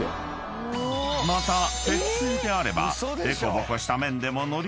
［また鉄製であれば］